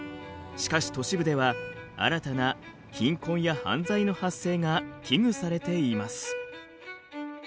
しかし都市部では新たな貧困や犯罪の発生が危惧されています。